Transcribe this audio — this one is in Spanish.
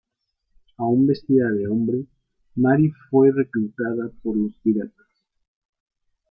Aún vestida de hombre, Mary fue reclutada por los piratas.